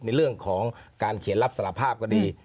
ในเรื่องของการเขียนรับสารภาพก็ดี